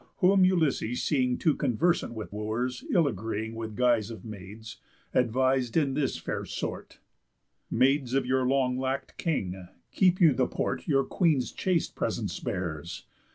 Whom Ulysses seeing Too conversant with Wooers, ill agreeing With guise of maids, advis'd in this fair sort: "Maids of your long lack'd King, keep you the port Your Queen's chaste presence bears.